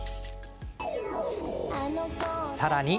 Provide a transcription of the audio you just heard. さらに。